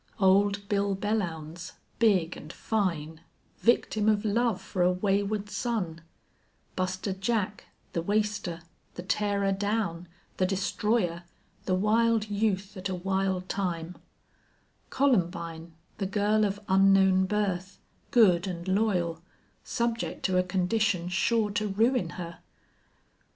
Old Bill Belllounds, big and fine, victim of love for a wayward son; Buster Jack, the waster, the tearer down, the destroyer, the wild youth at a wild time; Columbine, the girl of unknown birth, good and loyal, subject to a condition sure to ruin her.